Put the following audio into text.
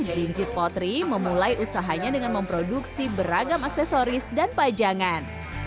jinjit potri memulai usahanya dengan memproduksi beragam aksesoris dan pajangan